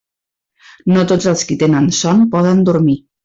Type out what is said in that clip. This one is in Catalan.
No tots els qui tenen son poden dormir.